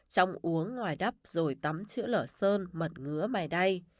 trong uống ngoài đắp rồi tắm chữ lở sơn mật ngứa mài đay